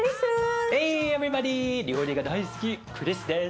料理が大好きクリスです。